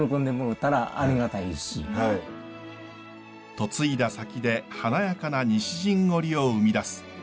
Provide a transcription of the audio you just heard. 嫁いだ先で華やかな西陣織を生み出す。